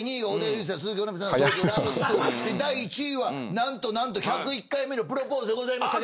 第１位は何と何と『１０１回目のプロポーズ』でございます。